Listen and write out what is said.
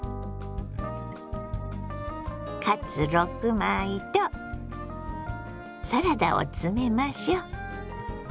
カツ６枚とサラダを詰めましょ。